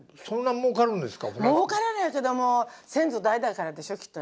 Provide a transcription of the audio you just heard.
もうからないけども先祖代々からでしょうきっとね。